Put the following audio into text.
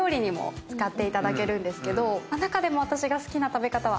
中でも私が好きな食べ方は。